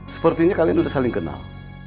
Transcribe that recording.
sepertinya kalian sudah saling kenal